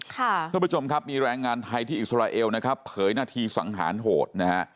ท่านผู้ผู้ชมมีแรงงานไทยที่อิสเตอร์ไเอลเหย่อหน้างานที่สังหารโหด